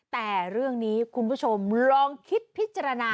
แต่เรื่องนี้คุณผู้ชมลองคิดพิจารณา